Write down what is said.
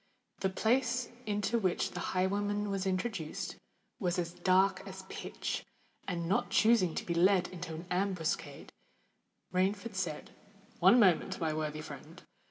The place into which the highwayman was introduced, was as dark as pitch; and, not choosing to be led into an ambuscade, Rainford said, "One moment, my worthy friend!